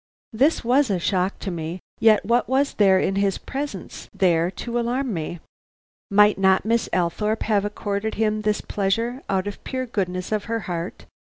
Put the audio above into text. This was a shock to me, yet what was there in his presence there to alarm me? Might not Miss Althorpe have accorded him this pleasure out of the pure goodness of her heart?